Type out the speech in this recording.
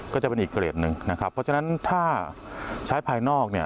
ก็จะเป็นอีกเกรดหนึ่งเพราะฉะนั้นถ้าใช้ภายนอก